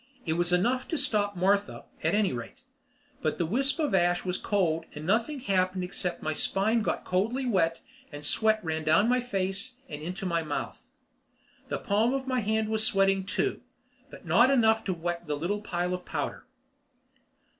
It was enough to stop Martha, at any rate. But the wisp of ash was cold and nothing happened except my spine got coldly wet and sweat ran down my face and into my mouth. The palm of my hand was sweating too, but not enough to wet the little pile of powder.